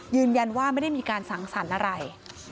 ยืนยันว่าไม่ได้มีการสังสรรค์อะไร